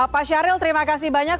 pak syahril terima kasih banyak